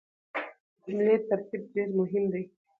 د جملې ترتيب ډېر مهم دی.